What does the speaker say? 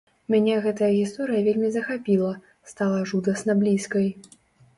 Мяне гэтая гісторыя вельмі захапіла, стала жудасна блізкай.